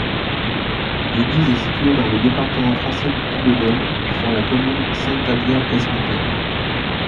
L'église est située dans le département français du Puy-de-Dôme, sur la commune de Saint-Alyre-ès-Montagne.